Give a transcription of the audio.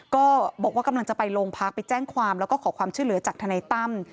ก็บอกว่ากำลังจะไปโรงพักไปแจ้งความแล้วก็ขอความช่วยเหลือจากทนายตั้ม